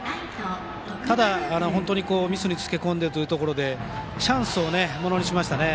ただ、ミスにつけ込んでというところでチャンスをものにしましたね。